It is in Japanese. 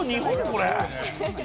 これ！